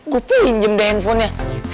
gue pinjem deh handphonenya